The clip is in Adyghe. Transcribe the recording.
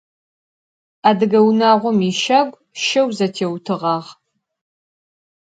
Adıge vunağom yişagu şeu zetêutığağ.